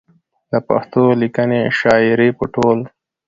د پښتو ليکنۍ شاعرۍ په ټول